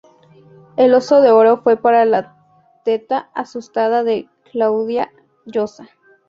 El Oso de oro fue para La teta asustada de Claudia Llosa.